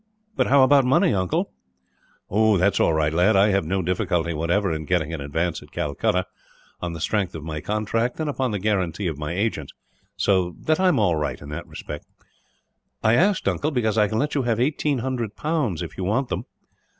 "But how about money, uncle?" "That is all right, lad. I had no difficulty, whatever, in getting an advance at Calcutta, on the strength of my contract and upon the guarantee of my agents; so that I am all right, in that respect." "I asked, uncle, because I can let you have eighteen hundred pounds, if you want them."